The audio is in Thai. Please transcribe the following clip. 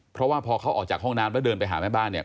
เพราะว่าพอเขาออกจากห้องน้ำแล้วเดินไปหาแม่บ้านเนี่ย